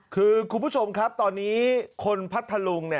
คือคุณผู้ชมครับตอนนี้คนพัทธลุง